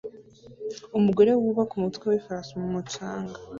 Umugore wubaka umutwe wifarashi mumucanga